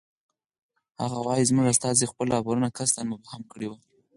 هغه وایي زموږ استازي خپل راپورونه قصداً مبهم کړی وو.